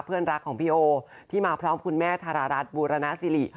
เพื่อนรักของพี่โอที่มาพร้อมคุณแม่ธารรัฐบูรณสิริ